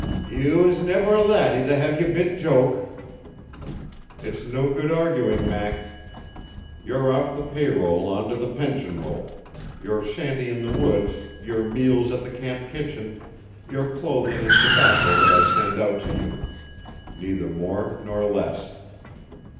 "Ye was ever a laddie to hae your bit joke." "It's no good arguing, Mac. You're off the pay roll onto the pension roll your shanty in the woods, your meals at the camp kitchen, your clothing and tobacco that I send out to you. Neither more nor less!"